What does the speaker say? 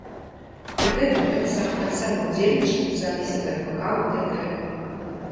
Пры гэтым ён сам таксама ўдзельнічаў у запісе бэк-вакалу для трэка.